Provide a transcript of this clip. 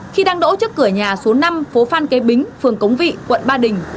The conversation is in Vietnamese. khi đang đổ trước cửa nhà số năm phố phan kế bính phường cống vị quận ba đình